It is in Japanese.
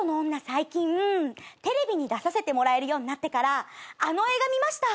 最近テレビに出させてもらえるようになってから「あの映画見ました」